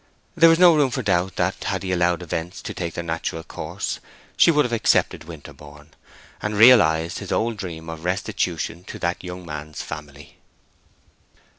There was no room for doubt that, had he allowed events to take their natural course, she would have accepted Winterborne, and realized his old dream of restitution to that young man's family.